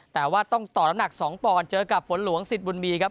แต่ว่าต้องต่อน้ำหนัก๒ปอนด์เจอกับฝนหลวงสิทธิบุญมีครับ